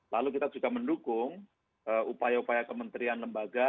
lalu kita juga mendukung upaya upaya kementerian lembaga